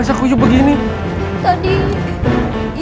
ya ya itu agaknya sih